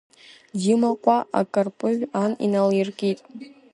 Димаҟәа акырпыжә ан иналиркит.